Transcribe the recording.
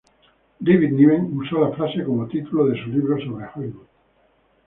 David Niven usó la frase como título de su libro sobre Hollywood.